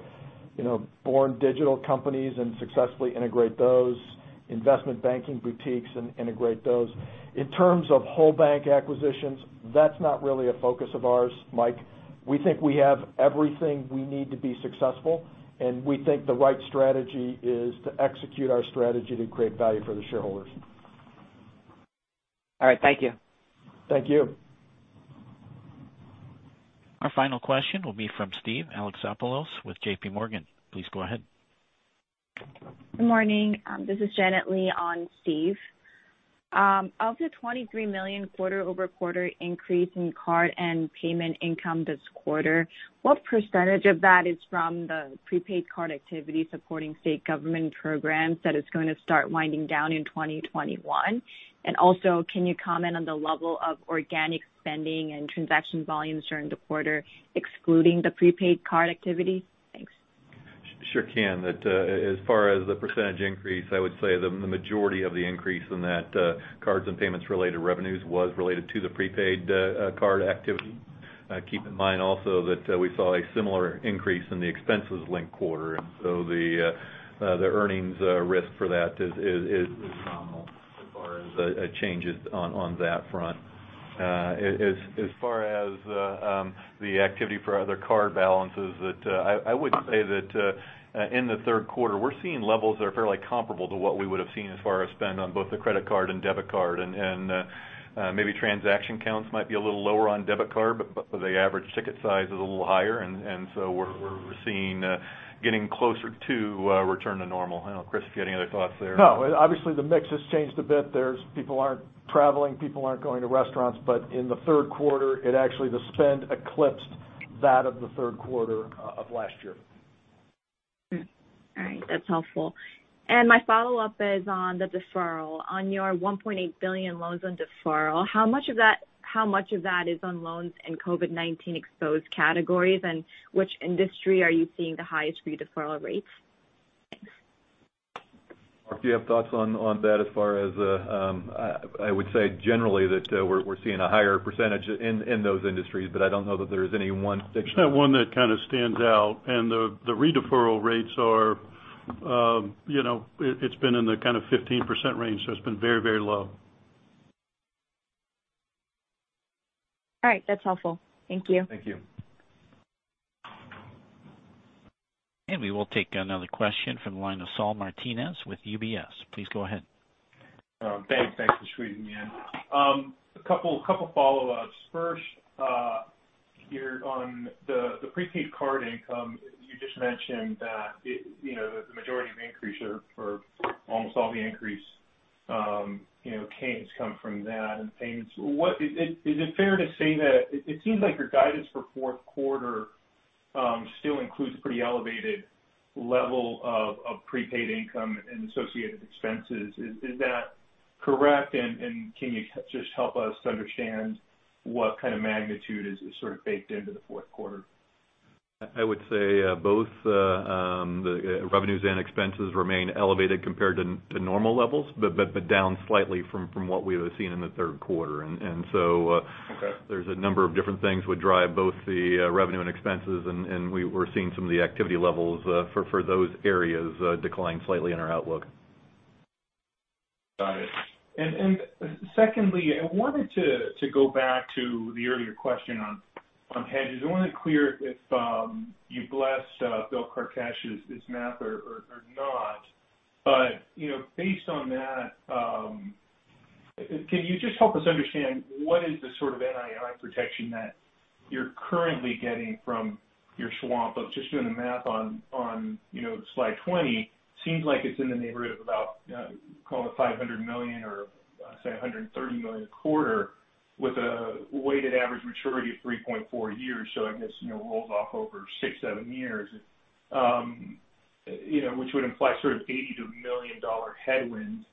born-digital companies and successfully integrate those, investment banking boutiques and integrate those. In terms of whole bank acquisitions, that's not really a focus of ours, Mike. We think we have everything we need to be successful. And we think the right strategy is to execute our strategy to create value for the shareholders. All right. Thank you. Thank you. Our final question will be from Steve Alexopoulos with JPMorgan. Please go ahead. Good morning. This is Janet Lee on Steve. Of the $23 million quarter-over-quarter increase in card and payment income this quarter, what percentage of that is from the prepaid card activity supporting state government programs that is going to start winding down in 2021? And also, can you comment on the level of organic spending and transaction volumes during the quarter, excluding the prepaid card activity? Thanks. Sure can. As far as the percentage increase, I would say the majority of the increase in that cards and payments-related revenues was related to the prepaid card activity. Keep in mind also that we saw a similar increase in the expenses linked quarter. And so the earnings risk for that is nominal as far as changes on that front. As far as the activity for other card balances, I would say that in the third quarter, we're seeing levels that are fairly comparable to what we would have seen as far as spend on both the credit card and debit card. And maybe transaction counts might be a little lower on debit card, but the average ticket size is a little higher. And so we're seeing getting closer to return to normal. Chris, if you had any other thoughts there? No. Obviously, the mix has changed a bit. People aren't traveling. People aren't going to restaurants. But in the third quarter, it actually the spend eclipsed that of the third quarter of last year. All right. That's helpful. And my follow-up is on the deferral. On your $1.8 billion loans on deferral, how much of that is on loans and COVID-19 exposed categories? And which industry are you seeing the highest re-deferral rates? Thanks. Mark, do you have thoughts on that, as far as I would say generally that we're seeing a higher percentage in those industries, but I don't know that there is any one particular. One that kind of stands out, and the re-deferral rates are. It's been in the kind of 15% range, so it's been very, very low. All right. That's helpful. Thank you. Thank you. And we will take another question from Saul Martinez with USB. Please go ahead. Thanks. Thanks for squeezing me in. A couple of follow-ups. First, here on the prepaid card income, you just mentioned that the majority of the increase or almost all the increase came from that and payments. Is it fair to say that it seems like your guidance for fourth quarter still includes a pretty elevated level of prepaid income and associated expenses? Is that correct? And can you just help us understand what kind of magnitude is sort of baked into the fourth quarter? I would say both the revenues and expenses remain elevated compared to normal levels, but down slightly from what we have seen in the third quarter, and so there's a number of different things that would drive both the revenue and expenses, and we're seeing some of the activity levels for those areas decline slightly in our outlook. Got it. And secondly, I wanted to go back to the earlier question on hedges. I wanted to clarify if you blessed Bill Carcache's math or not. But based on that, can you just help us understand what is the sort of NII protection that you're currently getting from your swaps of just doing the math on Slide 20? Seems like it's in the neighborhood of about, call it $500 million or say $130 million a quarter with a weighted average maturity of 3.4 years. So I guess it rolls off over six, seven years, which would imply sort of $80 million-$1 million headwinds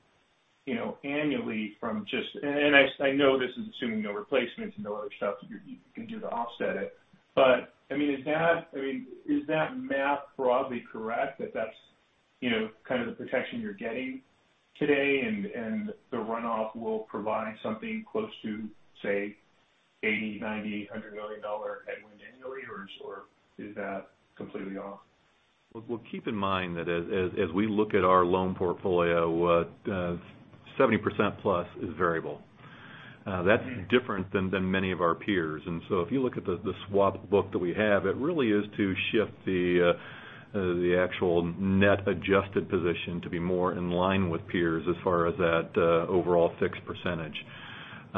annually from just—and I know this is assuming no replacements and no other stuff that you can do to offset it. But I mean, is that math broadly correct that that's kind of the protection you're getting today and the runoff will provide something close to, say, $80, $90, $100 million-dollar headwind annually, or is that completely off? Keep in mind that as we look at our loan portfolio, 70% plus is variable. That's different than many of our peers, and so if you look at the swap book that we have, it really is to shift the actual net adjusted position to be more in line with peers as far as that overall fixed percentage.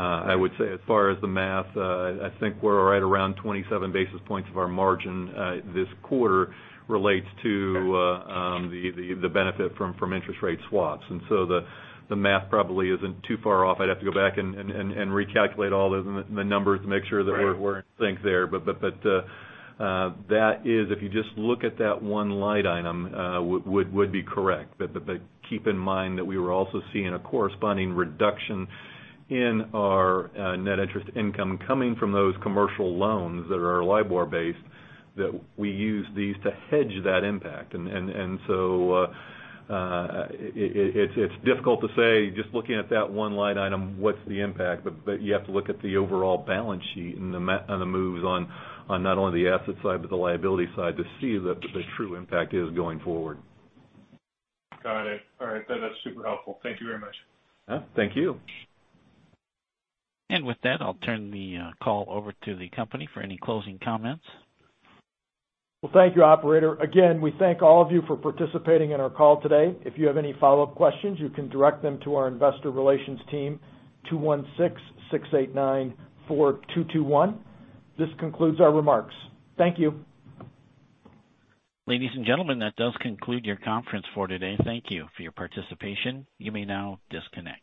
I would say as far as the math, I think we're right around 27 basis points of our margin this quarter relates to the benefit from interest rate swaps, and so the math probably isn't too far off. I'd have to go back and recalculate all the numbers to make sure that we're in sync there, but that is, if you just look at that one line item, would be correct. But keep in mind that we were also seeing a corresponding reduction in our net interest income coming from those commercial loans that are LIBOR-based that we use these to hedge that impact. And so it's difficult to say just looking at that one line item, what's the impact. But you have to look at the overall balance sheet and the moves on not only the asset side but the liability side to see that the true impact is going forward. Got it. All right. That's super helpful. Thank you very much. Thank you. With that, I'll turn the call over to the company for any closing comments. Well, thank you, operator. Again, we thank all of you for participating in our call today. If you have any follow-up questions, you can direct them to our Investor Relations team, 216-689-4221. This concludes our remarks. Thank you. Ladies and gentlemen, that does conclude your conference for today. Thank you for your participation. You may now disconnect.